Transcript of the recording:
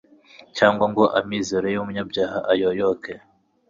cyangwa ngo amizero y'umunyabyago ayoyoke